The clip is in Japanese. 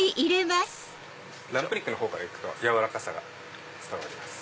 ランプ肉の方からいくと軟らかさが伝わります。